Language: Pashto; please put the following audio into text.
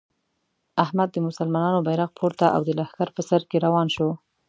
احمد د مسلمانانو بیرغ پورته او د لښکر په سر کې روان شو.